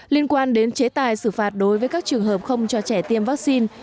liên quan đến chế tài xử phạt đối với các trường hợp không cho trẻ tiêm vaccine